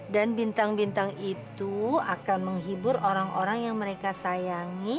dan bintang bintang itu akan menghibur orang orang yang mereka sayangi